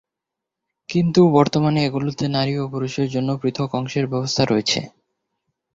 কিন্তু বর্তমানে এগুলোতে নারী ও পুরুষের জন্য পৃথক অংশের ব্যবস্থা রয়েছে।